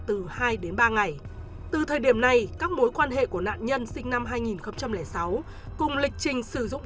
từ hai đến ba ngày từ thời điểm này các mối quan hệ của nạn nhân sinh năm hai nghìn sáu cùng lịch trình sử dụng